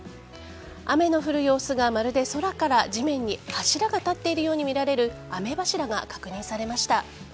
雨の降る様子がまるで空から地面に柱が立っているように見られる雨柱が確認されました。